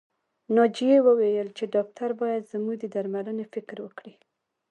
ناجيې وويل چې ډاکټر بايد زموږ د درملنې فکر وکړي